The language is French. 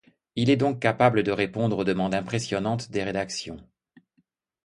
Il est donc capable de répondre aux demandes impressionnantes des rédactions.